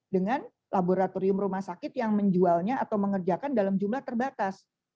dengan laboratorium rumah sakit yang menjualnya atau mengerjakan dalam jumlah terbatas